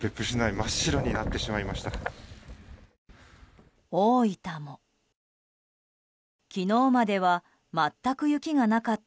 真っ白になってしまいました。